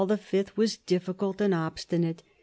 was difficult and obstinate.